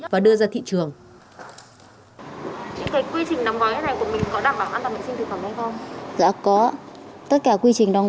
và đưa ra thị trường